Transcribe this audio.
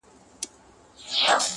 مستې ځوانۍ دې د ښکلا ساه تخنوله مدام